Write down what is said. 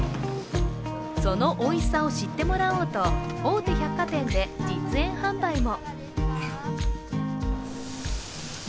そのおいしさを知ってもらおうと大手百貨店で実演販売も。